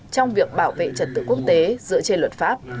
trong việc bảo vệ trật tự quốc tế dựa trên luật pháp